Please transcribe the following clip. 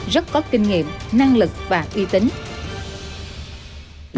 rất có kinh nghiệm năng lực và uy tín